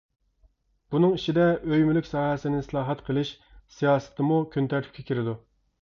بۇنىڭ ئىچىدە «ئۆي مۈلۈك ساھەسىنى ئىسلاھات قىلىش» سىياسىتىمۇ كۈنتەرتىپكە كىرىدۇ.